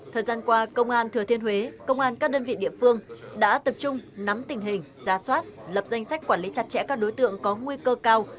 thời gian qua công an thừa thiên huế công an các đơn vị địa phương đã tập trung nắm tình hình giá soát lập danh sách quản lý chặt chẽ các đối tượng có nguy cơ cao